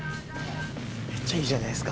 めっちゃいいじゃないですか。